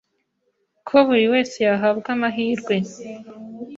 ko buri wese yahabwa amahirwe